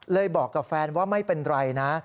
บอกกับแฟนว่าไม่เป็นไรนะ